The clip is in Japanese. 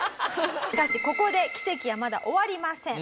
しかしここで奇跡はまだ終わりません。